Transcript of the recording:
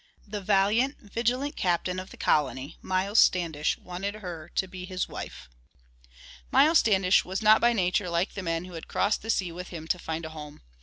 The valiant, vigilant captain of the colony, Miles Standish, wanted her to be his wife. Miles Standish was not by nature like the men who had crossed the sea with him to find a home.